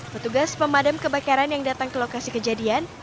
petugas pemadam kebakaran yang datang ke lokasi kejadian